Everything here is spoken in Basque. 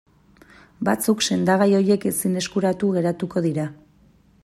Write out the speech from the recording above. Batzuk sendagai horiek ezin eskuratu geratuko dira.